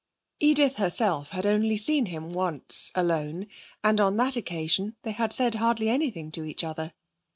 Edith herself had only seen him alone once, and on that occasion they had said hardly anything to each other.